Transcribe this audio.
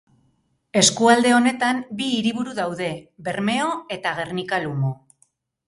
Eskualde honetan bi hiriburu daude: Bermeo eta Gernika-Lumo.